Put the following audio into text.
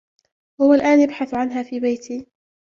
هو الآن يبحث عنها في بيتي.